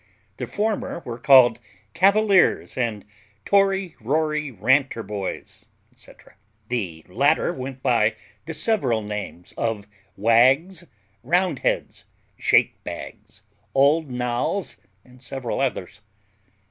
The former were called CAVALIERS and TORY RORY RANTER BOYS, &c. the latter went by the several names of WAGS, roundheads, shakebags, old nolls, and several others.